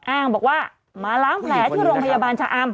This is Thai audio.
อ้างบอกว่ามาล้างแผลที่โรงพยาบาลชะอำ